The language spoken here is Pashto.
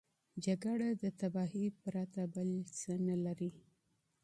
جنګ د تباهۍ پرته بل څه نه لري.